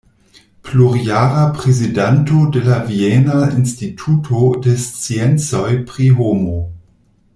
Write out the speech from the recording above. Plurjara prezidanto de la Viena Instituto de Sciencoj pri Homo.